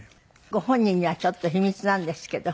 ご本人にはちょっと秘密なんですけど。